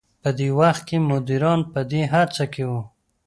په دې وخت کې مديران په دې هڅه کې وو.